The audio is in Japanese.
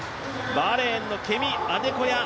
バーレーンのケミ・アデコヤ。